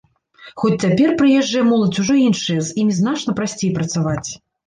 Хоць цяпер прыезджая моладзь ужо іншая, з імі значна прасцей працаваць.